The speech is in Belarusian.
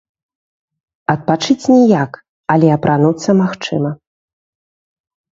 Адпачыць ніяк, але апрануцца магчыма.